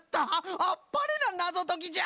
あっぱれななぞときじゃ！